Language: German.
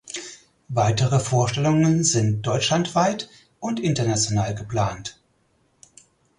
Weitere Vorstellungen sind deutschlandweit und international geplant.